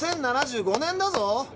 ２０７５年だぞ。